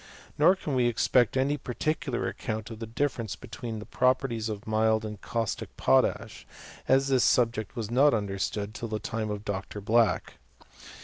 Nor can we expect any particular account of the difference between the pro perties of mild and caustic potash ; as this subject was not understood till the time of Dr. Black.